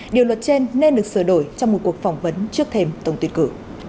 điều luật trên nên được sửa đổi trong một cuộc phỏng vấn trước thêm tổng tuyển cử